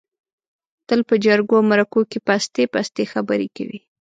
تل په جرگو او مرکو کې پستې پستې خبرې کوي.